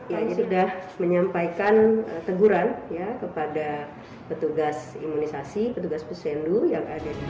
yang sudah menyampaikan teguran kepada petugas imunisasi